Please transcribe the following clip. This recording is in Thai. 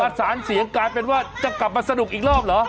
สารเสียงกลายเป็นว่าจะกลับมาสนุกอีกรอบเหรอ